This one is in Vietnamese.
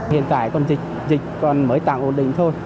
hiện tại còn dịch còn mới tạm ổn định thôi